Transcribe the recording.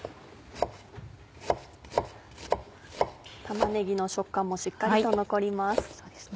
玉ねぎの食感もしっかりと残ります。